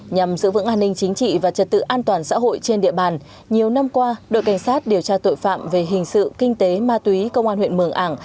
nhằm giữ vững an ninh chính trị và trật tự an toàn xã hội trên địa bàn nhiều năm qua đội cảnh sát điều tra tội phạm về hình sự kinh tế ma túy công an huyện mường ảng